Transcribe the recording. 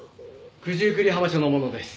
九十九里浜署の者です。